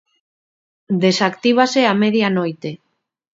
Desactívase a media noite.